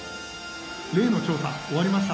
例の調査終わりました。